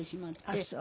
あっそう。